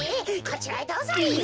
こちらへどうぞリン。